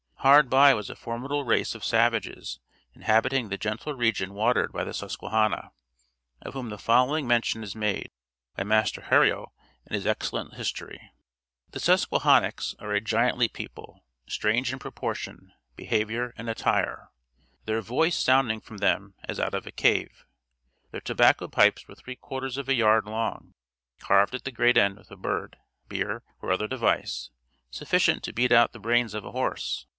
Hard by was a formidable race of savages inhabiting the gentle region watered by the Susquehanna, of whom the following mention is made by Master Hariot in his excellent history: "The Susquesahanocks are a giantly people, strange in proportion, behavior, and attire their voice sounding from them as out of a cave. Their tobacco pipes were three quarters of a yard long; carved at the great end with a bird, beare, or other device, sufficient to beat out the brains of a horse.